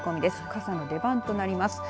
傘の出番となります。